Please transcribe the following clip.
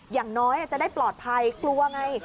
อย่างน้อยจะได้ปลอดภัยกลัวไง